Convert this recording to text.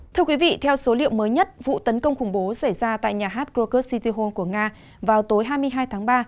thưa quý vị theo số liệu mới nhất vụ tấn công khủng bố xảy ra tại nhà hát krokus city hon của nga vào tối hai mươi hai tháng ba